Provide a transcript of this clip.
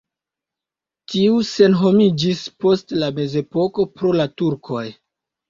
Tiu senhomiĝis post la mezepoko pro la turkoj.